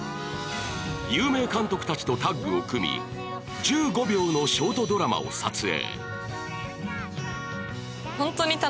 有名監督たちとタッグを組み、１５秒のショートドラマを撮影。